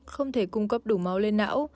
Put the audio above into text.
không thể cung cấp đủ máu lên não